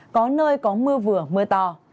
có nơi có mưa vừa mưa to